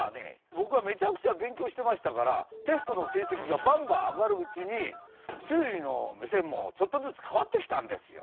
僕はめちゃくちゃ勉強してましたからテストの成績がバンバン上がるうちに周囲の目線もちょっとずつ変わってきたんですよ。